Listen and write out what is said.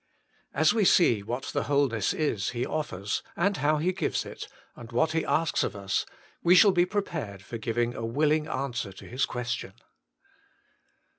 As we see what the wholeness is He offers, how He gives it, and what He asks of us, we shall be prepared for giving a willing answer to His question.